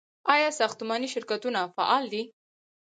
آیا ساختماني شرکتونه فعال دي؟